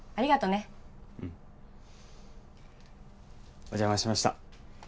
うんお邪魔しました